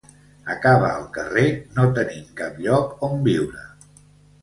Acaba al carrer, no tenint cap lloc on viure.